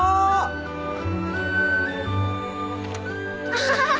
アハハハハ！